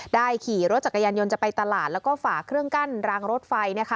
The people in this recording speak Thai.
ขี่รถจักรยานยนต์จะไปตลาดแล้วก็ฝากเครื่องกั้นรางรถไฟ